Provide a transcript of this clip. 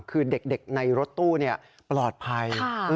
คือเด็กในรถตู้ปลอดภัย